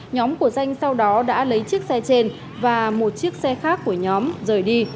nhóm của danh sau đó đã lấy chiếc xe trên và một chiếc xe khác của nhóm rời đi